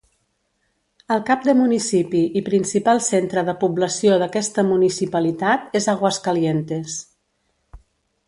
El cap de municipi i principal centre de població d'aquesta municipalitat és Aguascalientes.